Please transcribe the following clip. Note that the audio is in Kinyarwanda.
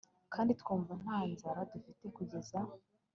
kandi twumva nta nzara dufite kugeza